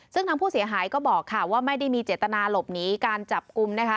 ซึ่งทางผู้เสียหายก็บอกค่ะว่าไม่ได้มีเจตนาหลบหนีการจับกลุ่มนะคะ